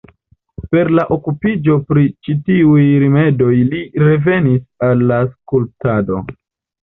Per la okupiĝo pri ĉi tiuj rimedoj li revenis al la skulptado.